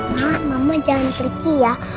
ma mama jangan pergi ya